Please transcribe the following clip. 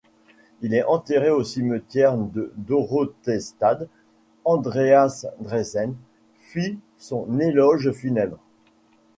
Il est enterré au cimetière de Dorotheenstadt, Andreas Dresen fit son éloge funèbre.